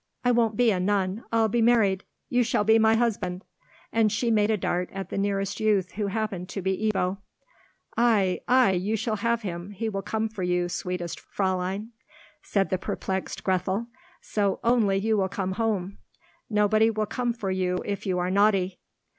I won't be a nun. I'll be married! You shall be my husband," and she made a dart at the nearest youth, who happened to be Ebbo. "Ay, ay, you shall have him. He will come for you, sweetest Fraulein," said the perplexed Grethel, "so only you will come home! Nobody will come for you if you are naughty."